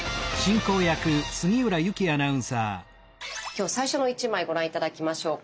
今日最初の一枚ご覧頂きましょう。